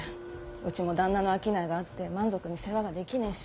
うちも旦那の商いがあって満足に世話ができねぇし。